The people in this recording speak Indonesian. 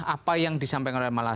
apa yang disampaikan